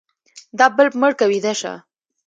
دا بلپ مړ که ويده شه.